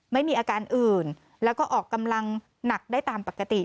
ไม่มีอาการอื่นแล้วก็ออกกำลังหนักได้ตามปกติ